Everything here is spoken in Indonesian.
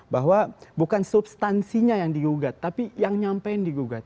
bahwa bukan substansinya yang digugat tapi yang nyampein digugat